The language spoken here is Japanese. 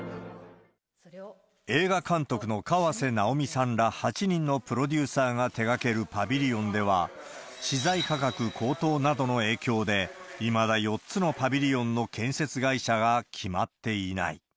映画監督の河瀬直美さんら８人のプロデューサーが手がけるパビリオンでは、資材価格高騰などの影響で、いまだ４つのパビリオンの建設会社が決まっていない。